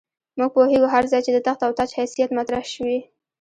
موږ پوهېږو هر ځای چې د تخت او تاج حیثیت مطرح شوی.